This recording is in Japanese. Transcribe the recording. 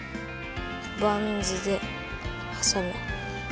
バンズではさむ。